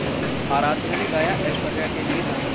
अराध्या ने गाया ऐश्वर्या के लिए गाना